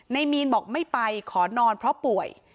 มีนบอกไม่ไปขอนอนเพราะป่วย